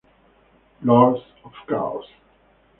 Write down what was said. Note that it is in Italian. Lords of Chaos